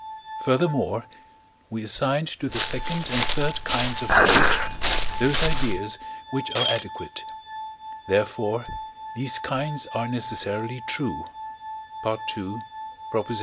Furthermore, we assigned to the second and third kinds of knowledge those ideas which are adequate; therefore these kinds are necessarily true (II.